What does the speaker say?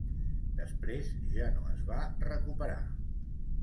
Després ja no es va recuperar.